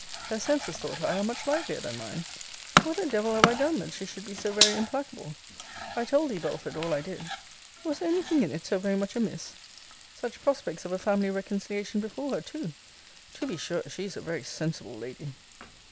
Her senses, thought I, are much livelier than mine. What a devil have I done, that she should be so very implacable? I told thee, Belford, all I did: Was there any thing in it so very much amiss? Such prospects of a family reconciliation before her too! To be sure she is a very sensible lady!